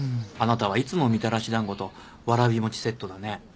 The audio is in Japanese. あなたはいつもみたらし団子とわらび餅セットだね。